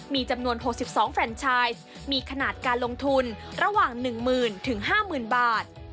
มีจำนวน๖๒แฟรนชัยมีขนาดการลงทุนระหว่าง๑หมื่นถึง๕หมื่นบาท